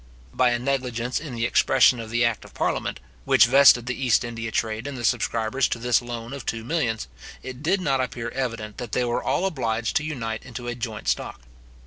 By a negligence in the expression of the act of parliament, which vested the East India trade in the subscribers to this loan of two millions, it did not appear evident that they were all obliged to unite into a joint stock.